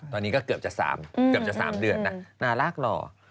ตอนนี้ก็เกือบจะ๓เดือนนะน่ารักหรอ